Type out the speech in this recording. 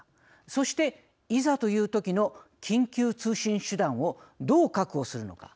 そして、いざという時の緊急通信手段をどう確保するのか。